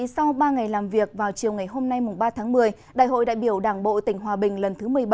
sau ba ngày làm việc vào chiều ngày hôm nay ba tháng một mươi đại hội đại biểu đảng bộ tỉnh hòa bình lần thứ một mươi bốn